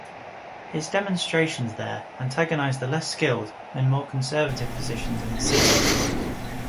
His demonstrations there antagonized the less skilled and more conservative physicians in the city.